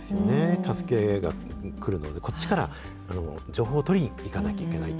助けが来るまで、こっちから情報を取りにいかないといけないと。